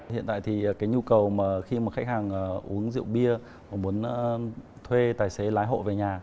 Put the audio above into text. hiện tại thì cái nhu cầu mà khi mà khách hàng uống rượu bia họ muốn thuê tài xế lái hộ về nhà